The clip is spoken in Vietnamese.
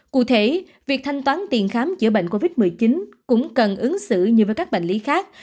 cụ thể việc thanh toán tiền khám chữa bệnh covid một mươi chín cũng cần ứng xử như với các bệnh lý khác